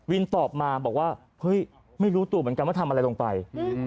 ตอบมาบอกว่าเฮ้ยไม่รู้ตัวเหมือนกันว่าทำอะไรลงไป